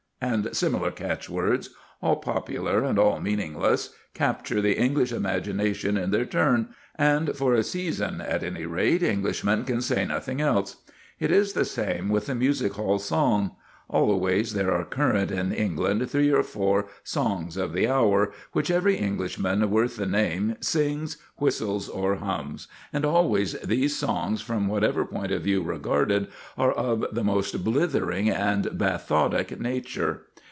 and similar catchwords, all popular and all meaningless, capture the English imagination in their turn, and for a season, at any rate, Englishmen can say nothing else. It is the same with the music hall song. Always there are current in England three or four "songs of the hour," which every Englishman worth the name sings, whistles, or hums; and always these songs, from whatever point of view regarded, are of the most blithering and bathotic nature.